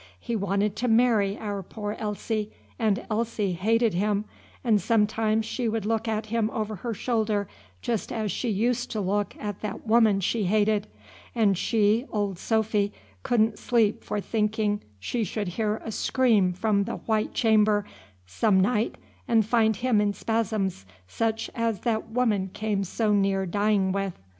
He wanted to marry our poor Elsie, and Elsie hated him, and sometimes she would look at him over her shoulder just as she used to look at that woman she hated; and she, old Sophy, couldn't sleep for thinking she should hear a scream from the white chamber some night and find him in spasms such as that woman came so near dying with.